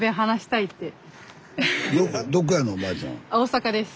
大阪です。